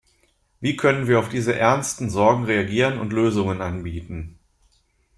Wie können wir auf diese ernsten Sorgen reagieren und Lösungen anbieten?